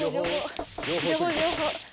情報情報。